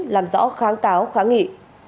làm rõ kháng cáo kháng nghị